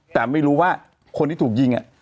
แต่ไม่รู้ว่าคนที่ถูกยิง